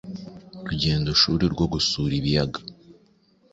rugendoshuri rwo gusura ibiyaga,